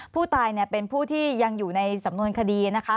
ผู้ตายเป็นผู้ที่ยังอยู่ในสำนวนคดีนะคะ